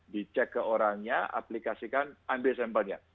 dicek ke orangnya aplikasikan ambil sampelnya